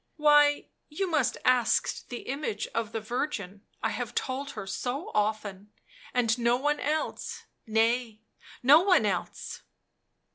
why, you must ask the image of the Virgin — I have told her so often, and no one else; nay, no one else